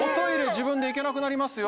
自分で行けなくなりますよ